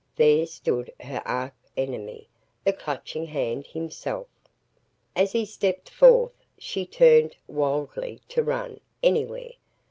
There stood her arch enemy, the Clutching Hand himself. As he stepped forth, she turned, wildly, to run anywhere.